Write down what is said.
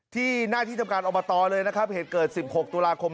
ที่หน้าที่ทำการอบอตอเลยนะครับ